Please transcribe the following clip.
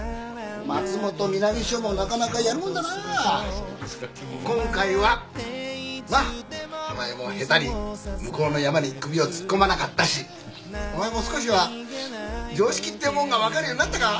松本南署もなかなかやるもんだなぁ今回はまっお前も下手に向こうのヤマに首を突っ込まなかったしお前も少しは常識ってもんが分かるようになったか？